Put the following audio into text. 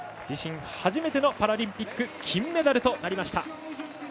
自身初めてのパラリンピック金メダルとなりました。